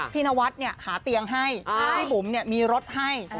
พี่นวัดเนี่ยหาเตียงให้พี่บุ๋มเนี่ยมีรถให้